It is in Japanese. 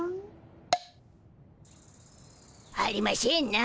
ありましぇんな。